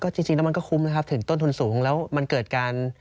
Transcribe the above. จริงแล้วมันก็คุ้มนะครับถึงต้นทุนสูงแล้วมันเกิดการ